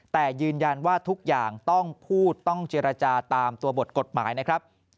แต่ยืนยันว่าทุกอย่างต้องพูดต้องเจรจาตามตัวบทกฎหมายนะครับ